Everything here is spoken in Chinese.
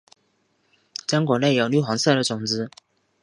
浆果内有绿黄色的种子。